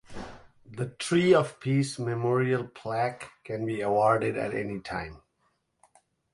The Tree of Peace Memorial Plaque can be awarded at any time.